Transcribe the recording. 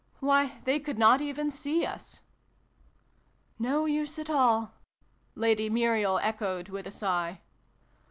"Why, they could not even see us !"" No use at all," Lady Muriel echoed with a sigh.